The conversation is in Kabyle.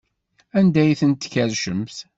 Anda ay ten-tkerrcemt?